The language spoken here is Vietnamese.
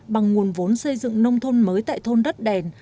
bằng nguồn vốn xây dựng nông thôn mới tại thôn đất đèn